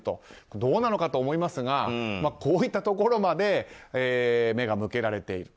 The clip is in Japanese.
どうなのかと思いますがこういったところまで目が向けられていると。